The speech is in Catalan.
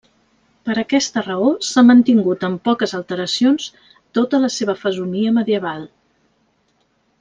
Per aquesta raó s'ha mantingut amb poques alteracions tota la seva fesomia medieval.